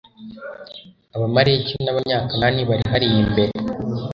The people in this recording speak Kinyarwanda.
abamaleki n abanyakanani bari hariya imbere